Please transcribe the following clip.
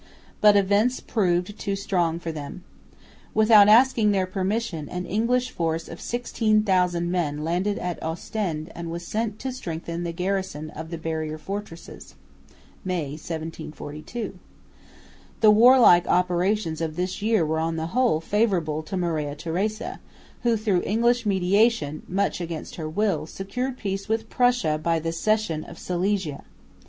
But events proved too strong for them. Without asking their permission, an English force of 16,000 men landed at Ostend and was sent to strengthen the garrison of the barrier fortresses (May, 1742). The warlike operations of this year were on the whole favourable to Maria Theresa, who through English mediation, much against her will, secured peace with Prussia by the cession of Silesia.